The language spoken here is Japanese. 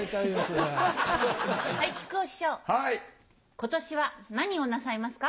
今年は何をなさいますか？